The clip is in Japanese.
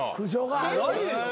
ないでしょ